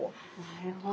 なるほど。